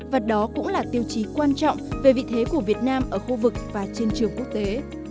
và đó cũng là tiêu chí quan trọng về vị thế của việt nam ở khu vực và trên trường quốc tế